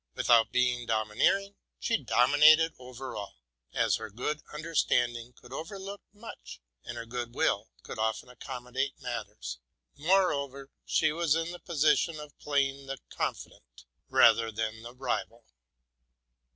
Without being domineering, she domineered over all, as her good understanding could overlook much, and her good will could often accommodate matters ; moreover, she was in the position of playing the confidant rather than the rival.